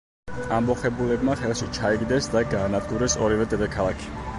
ამბოხებულებმა ხელში ჩაიგდეს და გაანადგურეს ორივე დედაქალაქი.